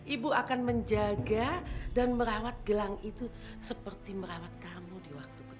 ibu akan menjaga dan merawat gelang itu seperti merawat kamu di waktu